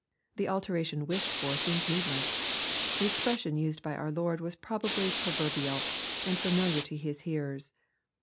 The alteration wished for seems needless. The expression used by our Lord was probably proverbial, and familiar to his hearers.